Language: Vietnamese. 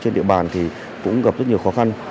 trên địa bàn cũng gặp rất nhiều khó khăn